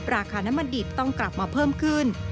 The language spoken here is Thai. ราคาน้ำมันดิบต้องกลับมาเพิ่มขึ้น